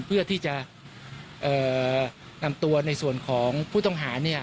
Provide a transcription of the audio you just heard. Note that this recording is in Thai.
เพื่อที่จะนำตัวในส่วนของผู้ต้องหา